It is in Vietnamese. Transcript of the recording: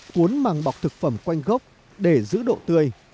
cuốn màng bọc thực phẩm quanh gốc để giữ độ tươi